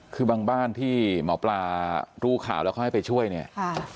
คือบางบ้านที่หมอปลารู้ข่าวแล้วเขาให้ไปช่วยเนี่ยค่ะ